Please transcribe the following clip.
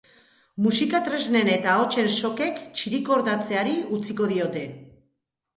Musika tresnen eta ahotsen sokek txirikordatzeari utziko diote.